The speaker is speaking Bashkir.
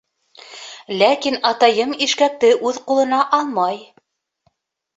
Ләкин атайым ишкәкте үҙ ҡулына алмай: